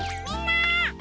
みんな！